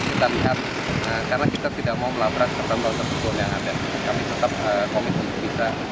kita lihat karena kita tidak mau melabrak tentang waterboard yang ada kami tetap komitmen bisa